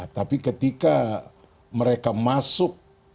tapi ketika mereka masuk